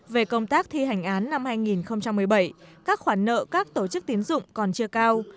về công tác thi hành án năm hai nghìn một mươi bảy các khoản nợ các tổ chức tín dụng còn chưa cao